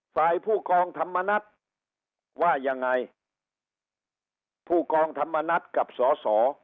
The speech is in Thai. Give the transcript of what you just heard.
ฝ่ายผู้กองธรรมนัฐว่ายังไงผู้กองธรรมนัฏกับสอสอ